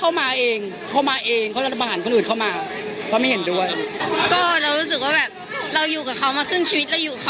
เราก็คงจะต้องตกใจว่าทำไมถึงยังกล้ายกขึ้นมาอีก